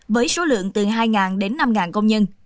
với số lượng từ hai đến năm công nhân